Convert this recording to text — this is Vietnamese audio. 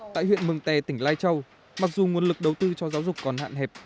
tại huyện mường tè tỉnh lai châu mặc dù nguồn lực đầu tư cho giáo dục còn hạn hẹp